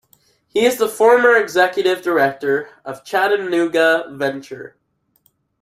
He is the former executive director of Chattanooga Venture.